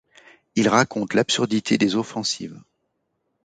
Il raconte l'absurdité des offensives.